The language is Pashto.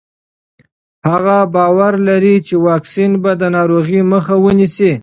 هغې باور لري چې واکسین به د ناروغۍ مخه ونیسي.